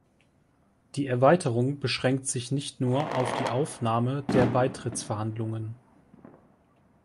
Die Erweiterung beschränkt sich nicht nur auf die Aufnahme der Beitrittsverhandlungen.